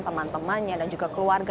teman temannya dan juga keluarga